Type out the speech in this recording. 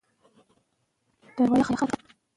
مرغلرو ته شعر وایي.